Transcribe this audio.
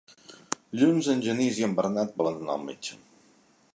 Dilluns en Genís i en Bernat volen anar al metge.